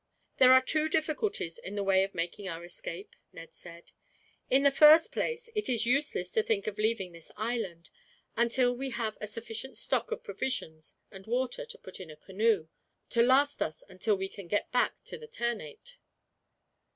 "There are two difficulties in the way of making our escape," Ned said. "In the first place, it is useless to think of leaving this island, until we have a sufficient stock, of provisions and water to put in a canoe, to last us until we can get back to Ternate.